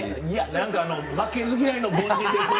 なんか負けず嫌いの凡人ですね。